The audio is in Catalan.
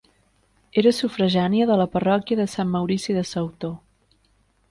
Era sufragània de la parròquia de Sant Maurici de Sautó.